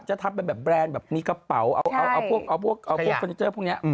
จะทำเป็นแบบแรนด์แบบมีกระเป๋าเอาพวกเอาพวกเฟอร์นิเจอร์พวกนี้